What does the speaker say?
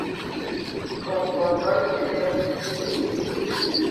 Como con Rolla Kent Beattie, St.